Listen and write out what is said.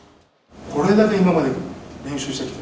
これだけ今まで練習してきた。